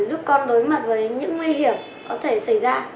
giúp con đối mặt với những nguy hiểm có thể xảy ra